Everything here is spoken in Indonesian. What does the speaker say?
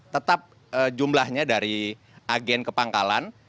tetap jumlahnya dari agen kepangkalan